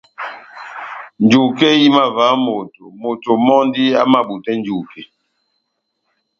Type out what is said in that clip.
Njuke ihimavaha moto, moto mɔ́ndi amabutɛ njuke.